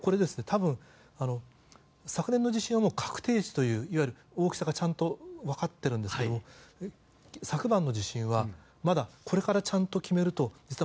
多分、昨年の地震は確定値といういわゆる大きさがちゃんと分かっているんですけど昨晩の地震はまだこれからちゃんと決めると。